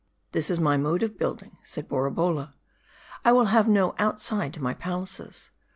This is my mode of building," said Borabolla ; "I will have no outside to my palaces.